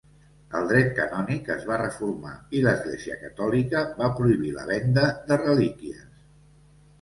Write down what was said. El dret canònic es va reformar i l'Església catòlica va prohibir la venda de relíquies.